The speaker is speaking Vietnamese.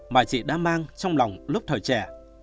mà chị đã mang trong lòng lúc thời trẻ